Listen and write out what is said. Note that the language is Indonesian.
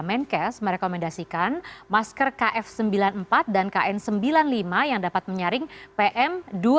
menkes merekomendasikan masker kf sembilan puluh empat dan kn sembilan puluh lima yang dapat menyaring pm dua ribu